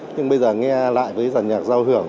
nhưng bây giờ nghe lại với giàn nhạc giao hưởng